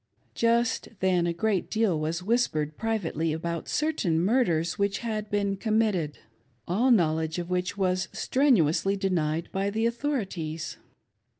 Just then a great deal was whispered privately about certain murders which had been committed, all knowledge of which was strenuously denied by the authorities.